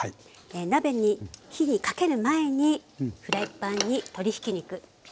鍋に火にかける前にフライパンに鶏ひき肉。